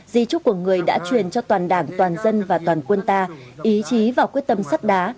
di trúc của người đã truyền cho toàn đảng toàn dân và toàn quân ta ý chí và quyết tâm sắt đá